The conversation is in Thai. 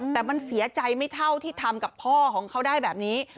แต่มันเสียใจไม่เท่าที่ทำกับพ่อของเขาได้แบบนี้